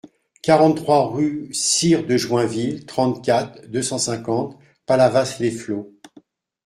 quarante-trois rue Sire de Joinville, trente-quatre, deux cent cinquante, Palavas-les-Flots